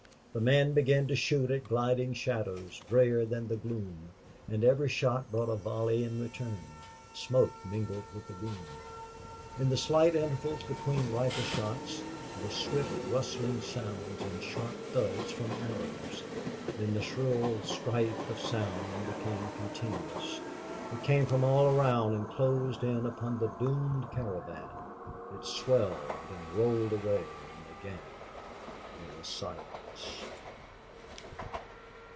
The men began to shoot at gliding shadows, grayer than the gloom. And every shot brought a volley in return. Smoke mingled with the gloom. In the slight intervals between rifleshots there were swift, rustling sounds and sharp thuds from arrows. Then the shrill strife of sound became continuous; it came from all around and closed in upon the doomed caravan. It swelled and rolled away and again there was silence.